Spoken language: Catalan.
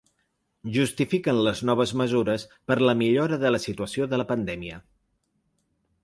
Justifiquen les noves mesures per la millora de la situació de la pandèmia.